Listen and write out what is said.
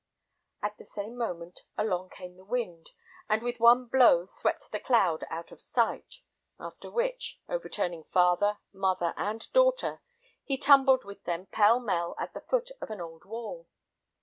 At the same moment along came the wind, and with one blow swept the cloud out of sight, after which, overturning father, mother, and daughter, he tumbled with them, pell mell, at the foot of an old wall.